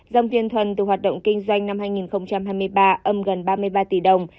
dòng tiền thuần từ hoạt động kinh doanh năm hai nghìn hai mươi ba âm gần ba mươi ba tỷ đồng